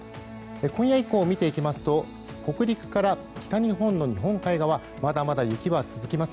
今夜以降を見ていきますと北陸から北日本の日本海側まだまだ雪は続きます。